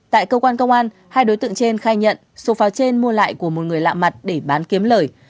tại cơ quan công an hai đối tượng trên khai nhận số pháo trên mua lại của một người lạ mặt để bán kiếm lời